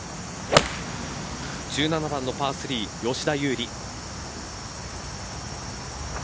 １７番のパー３、吉田優利。